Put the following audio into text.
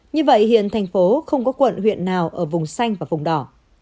như vậy hiện thành phố không có quận huyện nào ở vùng xanh và vùng đỏ